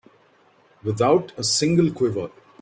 Without a single quiver.